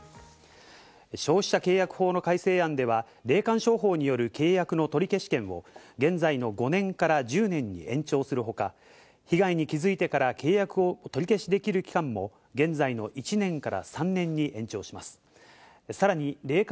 消費者契約法の改正案では霊感商法による契約の取り消し権を現在の５年から１０年に延長するほか、被害に気づいてから契約を取り消しできる期間も現在の１年から３年に延長します。